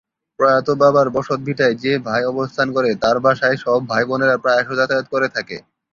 প্রয়াত বাবার বসতভিটায় যে ভাই অবস্থান করে তার বাসায় সব ভাই বোনেরা প্রায়শ যাতায়াত করে থাকে।